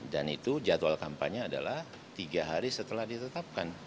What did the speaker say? dan itu jadwal kampanye adalah tiga hari setelah ditetapkan